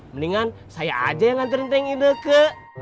mendingan saya aja yang nganterin neng ineke